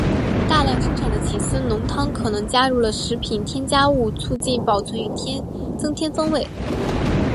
大量生产的起司浓汤可能加入了食品添加物促进保存与增添风味。